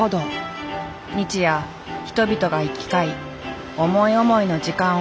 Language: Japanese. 日夜人々が行き交い思い思いの時間を過ごしていく。